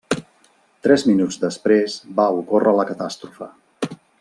Tres minuts després va ocórrer la catàstrofe.